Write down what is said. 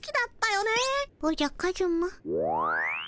おじゃカズマ。